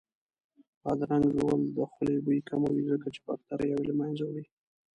بادرنګ ژوول د خولې بوی کموي ځکه چې باکتریاوې له منځه وړي